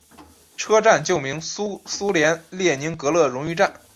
车站旧名苏联列宁格勒荣誉站。